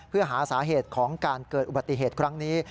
เพื่อหาสาเหตุของการเกิดอุบัติเหตุครั้งนี้